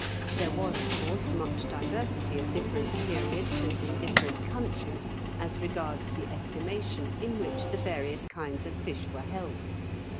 There was of course much diversity at different periods and in different countries as regards the estimation in which the various kinds of fish were held.